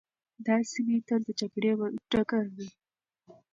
دا سیمي تل د جګړې ډګر وې.